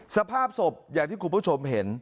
สภาพศพอย่างที่คุณผู้ชมเห็น